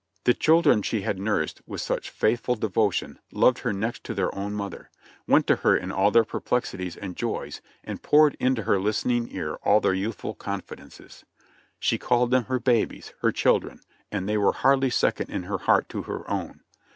The children she had nursed with such faithful devotion loved her next to their own mother; went to her in all their perplexities and joys, and poured into her listening ear all their youthful con fidences ; she called them her babies, her children, and they were hardly second in her heart to her own.